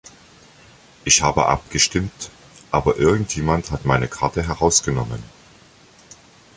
Ich habe abgestimmt, aber irgend jemand hat meine Karte herausgenommen.